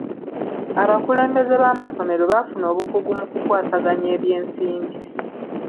Abakulembeze b'amasomero baafuna obukugu mu kukwasaganya eby'ensimbi.